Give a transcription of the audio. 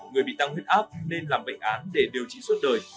người bị tăng huyết áp nên làm bệnh án để điều trị suốt đời